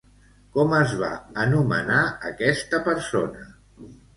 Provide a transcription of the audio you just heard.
Com es va anomenar aquesta persona?